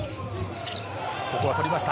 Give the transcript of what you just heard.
ここは取りました。